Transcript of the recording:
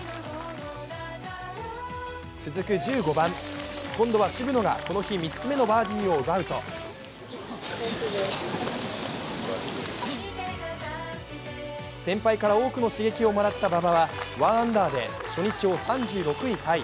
続く１５番、今度は渋野がこの日３つ目のバーディーを奪うと先輩から多くの刺激をもらった馬場は１アンダーで初日を３６位タイ。